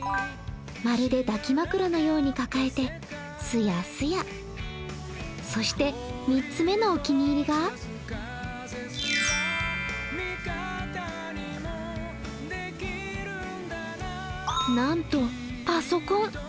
まるで抱き枕のように抱えて、スヤスヤそして３つ目のお気に入りがなんと、パソコン。